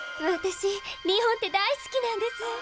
私日本って大好きなんです！